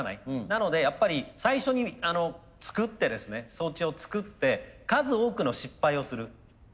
なのでやっぱり最初に作ってですね装置を作って数多くの失敗をする。